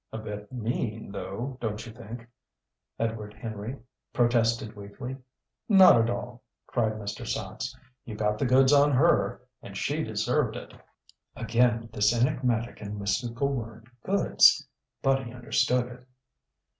"A bit mean, though, don't you think?" Edward Henry protested weakly. "Not at all!" cried Mr. Sachs. "You got the goods on her. And she deserved it." (Again this enigmatic and mystical word "goods"! But he understood it.)